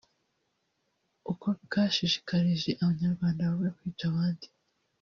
uko bwashishikarije abanyarwanda bamwe kwica abandi